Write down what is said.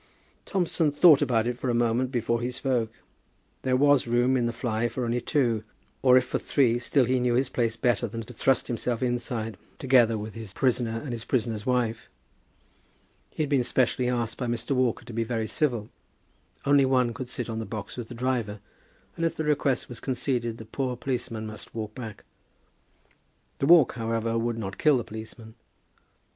Thompson thought about it for a moment before he spoke. There was room in the fly for only two, or if for three, still he knew his place better than to thrust himself inside together with his prisoner and his prisoner's wife. He had been specially asked by Mr. Walker to be very civil. Only one could sit on the box with the driver, and if the request was conceded the poor policeman must walk back. The walk, however, would not kill the policeman.